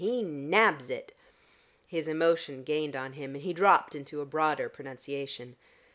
He nabs it." His emotion gained on him, and he dropped into a broader pronunciation.